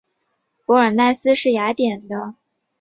博尔奈斯是瑞典的一座城市。